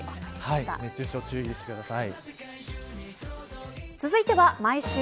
熱中症に注意してください。